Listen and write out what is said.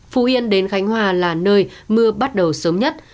phú yên đến khánh hòa là nơi mưa bắt đầu sớm nhất